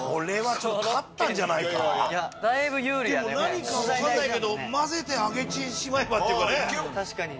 何か分かんないけど混ぜて揚げてしまえばっていうかね。